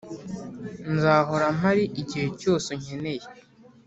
nzahora mpari igihe cyose unkeneye